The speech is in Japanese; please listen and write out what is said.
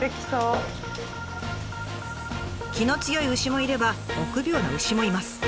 気の強い牛もいれば臆病な牛もいます。